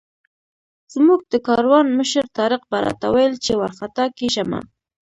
زموږ د کاروان مشر طارق به راته ویل چې وارخطا کېږه مه.